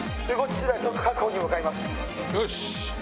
よし。